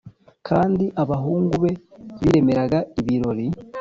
Kandi abahungu be biremeraga ibirori